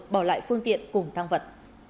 bỏ lại phương tiện cùng thang vật